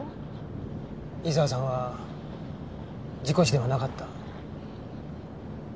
伊沢さんは事故死ではなかった。